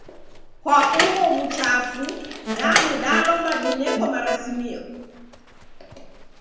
Kwa ugho w'uchafu danu dalomba dineko marasimio?